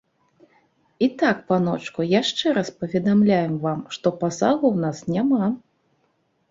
І так, паночку, яшчэ раз паведамляем вам, што пасагу ў нас няма.